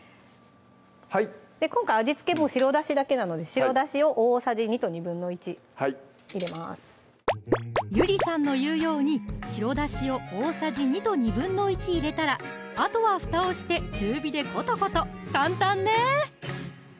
今回味付けも白だしだけなので白だしを大さじ２と１／２入れますゆりさんの言うように白だしを大さじ２と１／２入れたらあとはふたをして中火でコトコト簡単ね！